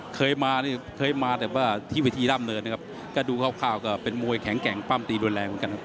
เคยมานี่เคยมาแต่ว่าที่วิธีร่ำเนินนะครับก็ดูคร่าวก็เป็นมวยแข็งแกร่งปั้มตีรุนแรงเหมือนกันครับ